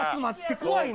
怖いな！